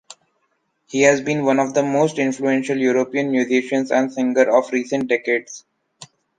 He has been one of the most influential European musicians and singers of recent decades.